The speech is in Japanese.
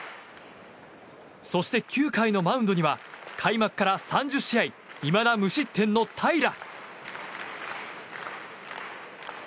そして、９回のマウンドには開幕から３０試合いまだ無失点の平良。